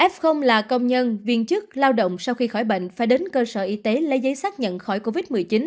f là công nhân viên chức lao động sau khi khỏi bệnh phải đến cơ sở y tế lấy giấy xác nhận khỏi covid một mươi chín